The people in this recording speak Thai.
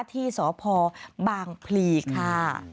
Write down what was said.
ที่สพบางพลีค่ะ